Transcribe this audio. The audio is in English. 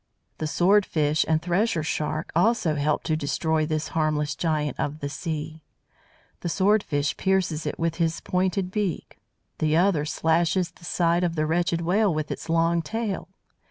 The Sword fish and Thresher Shark also help to destroy this harmless giant of the deep. The Sword fish pierces it with his pointed "beak"; the other slashes the sides of the wretched Whale with its long tail.